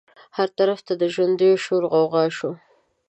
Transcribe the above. هر طرف ته د ژوندیو شور غوغا شوه.